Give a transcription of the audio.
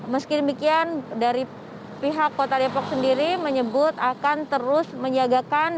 meski demikian dari pihak kota depok sendiri menyebut akan terus menyiagakan